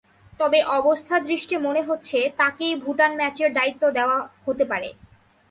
তবে অবস্থাদৃষ্টে মনে হচ্ছে, তাঁকেই ভুটান ম্যাচের দায়িত্ব দেওয়া হতে পারে।